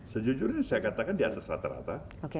sejujurnya saya katakan di atas rata rata